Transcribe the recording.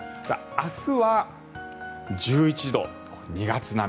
明日は１１度２月並み。